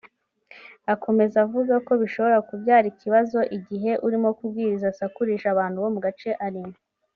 Akomeza avuga ko bishobora kubyara ikibazo igihe urimo kubwiriza asakurije abantu bo mu gace arimo